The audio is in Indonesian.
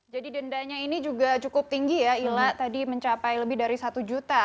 jadi dendanya ini juga cukup tinggi ya ila tadi mencapai lebih dari rp satu juta